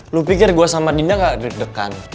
lu pikir gue sama dinda gak deg degan